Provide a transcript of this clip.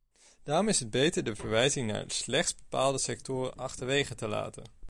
Daarom is het beter de verwijzing naar slechts bepaalde sectoren achterwege te laten.